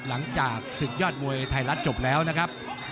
หลังจากศึกยอดมวยไทยรัฐจบแล้วนะครับ